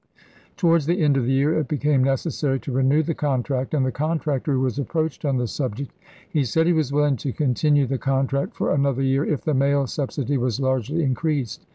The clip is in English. Towards the end of the year it became necessary to renew the contract, and the contractor was approached on the subject. He said he was willing to continue the contract for another year if the mail subsidy was largely increased.